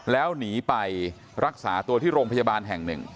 แล้วหนีไปรักษาตัวที่โรงพยาบาลแห่งหนึ่ง